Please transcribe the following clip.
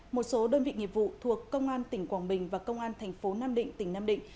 một số đơn vị nghiệp vụ thuộc công an tỉnh quảng bình và công an thành phố nam định tỉnh nam định